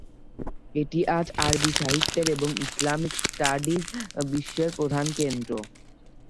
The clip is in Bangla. এটি আজ আরবি সাহিত্যের এবং ইসলামিক স্টাডিজ বিশ্বের প্রধান কেন্দ্র।